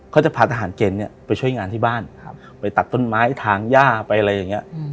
จะพาทหารเกณฑ์เนี่ยไปช่วยงานที่บ้านไปตัดต้นไม้ทางย่าไปอะไรอย่างนี้